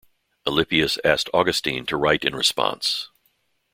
Alypius asked Augustine to write in response.